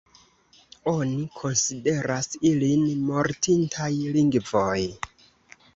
Oni konsideras ilin mortintaj lingvoj.